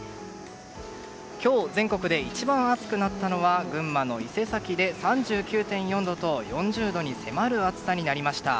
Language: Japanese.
今日、全国で一番暑くなったのは群馬の伊勢崎で３９．４度と４０度に迫る暑さになりました。